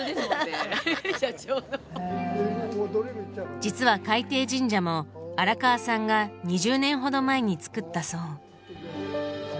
実は海底神社も荒川さんが２０年ほど前につくったそう。